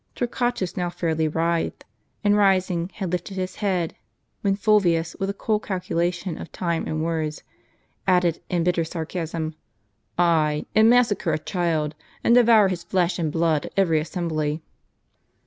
Torquatus now fairly writhed ; and rising, had lifted his arm, when Fulvius, with a cool cal culation of time and words, added, in bitter sarcasm: "Ay, and massacre a child, and devour his flesh and blood, at every assembly."